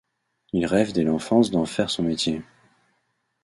Il rêve dès l'enfance d'en faire son métier.